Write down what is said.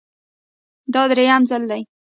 دا درېیم ځل دی